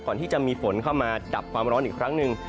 ก่อนที่จะมีฝนเข้ามาดับความร้อนอีกครั้งหนึ่ง